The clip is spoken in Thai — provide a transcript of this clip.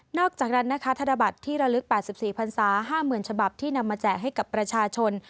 อกจากนั้นนะคะธนบัตรที่ระลึก๘๔พันศา๕๐๐๐ฉบับที่นำมาแจกให้กับประชาชน